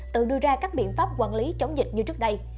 tự đưa ra các biện pháp quản lý chống dịch như trước đây